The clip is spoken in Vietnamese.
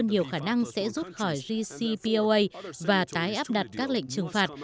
nhiều khả năng sẽ rút khỏi jcpoa và tái áp đặt các lệnh trừng phạt